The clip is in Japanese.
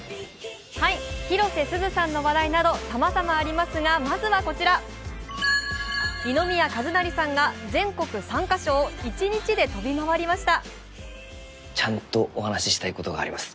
広瀬すずさんの話題などさまざまありますがまずはこちら、二宮和也さんが全国３か所を一日で飛び回りました。